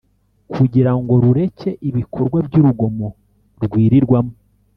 kugira ngo rureke ibikorwa by’urugomo rwirirwamo